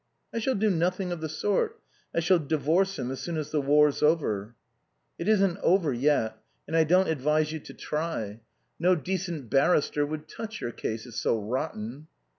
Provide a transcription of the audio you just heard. "I shall do nothing of the sort. I shall divorce him as soon as the war's over." "It isn't over yet. And I don't advise you to try. No decent barrister would touch your case, it's so rotten."